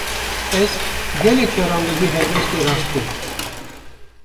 Ez, gelek caran li vê helwestê rast têm